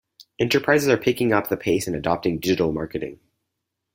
Enterprises are picking up the pace in adopting digital marketing.